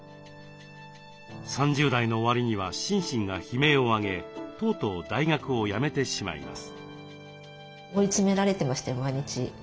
３０代の終わりには心身が悲鳴を上げとうとう大学を辞めてしまいます。